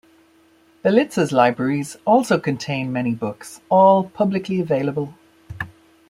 Belitsa's libraries also contain many books, all publicly available.